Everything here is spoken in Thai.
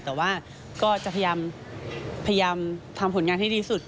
แต่ว่าก็จะพยายามทำผลงานให้ดีสุด